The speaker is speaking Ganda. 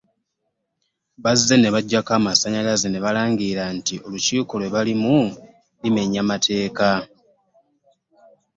Bazze ne baggyako amasannyalaze ne balangirira nti olukiiko lw'e balimu limenya mateeka